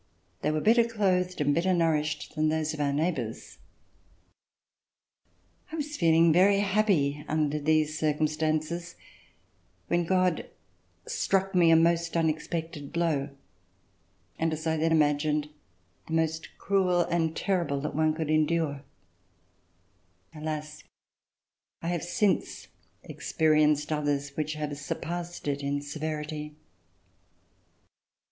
They were better clothed and better nourished than those of our neighbors. A VISIT TO NEW YORK I was feeling very happy under these circumstances when God struck me a most unexpected blow, and, as I then imagined, the most cruel and terrible that one could endure. Alas, I have since experienced others which have surpassed it in severity.